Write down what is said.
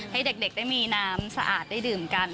ให้เด็กได้มีน้ำสะอาดได้ดื่มกัน